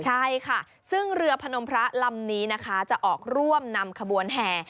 ใช่ค่ะซึ่งเรือพนมพระลำนี้นะคะจะออกร่วมนำขบวนแห่